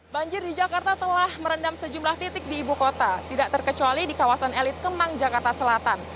banjir di jakarta telah merendam sejumlah titik di ibu kota tidak terkecuali di kawasan elit kemang jakarta selatan